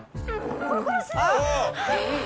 コロコロしてる！